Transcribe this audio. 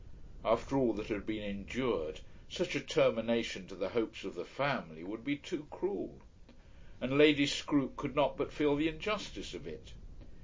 After all that had been endured, such a termination to the hopes of the family would be too cruel! And Lady Scroope could not but feel the injustice of it.